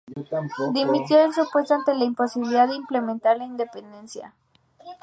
Dimitió de su puesto ante la imposibilidad de implementar la independencia.